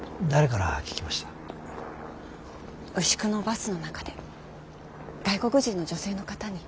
牛久のバスの中で外国人の女性の方に。